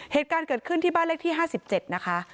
เหตุการณ์เกิดขึ้นที่บ้านเลขที่๕๗นะคะ